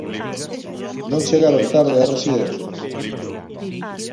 Non chegaron tarde ás residencias?